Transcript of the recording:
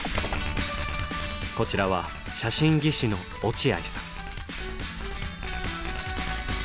こちらは写真技師の落合さん。